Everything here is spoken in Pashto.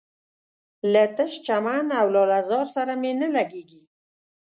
له تش چمن او لاله زار سره مي نه لګیږي